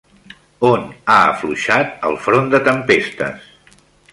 On ha afluixat el front de tempestes?